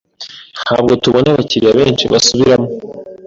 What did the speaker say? Ntabwo tubona abakiriya benshi basubiramo.